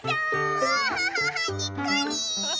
キャハハハにっこり！